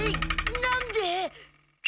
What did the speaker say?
なんで？